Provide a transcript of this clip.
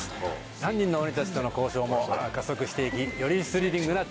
犯人の鬼たちとの交渉も加速していきよりスリリングな展開となっております